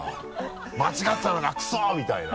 「間違ってたのかクソッ」みたいな。